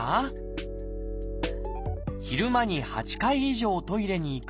昼間に８回以上トイレに行く。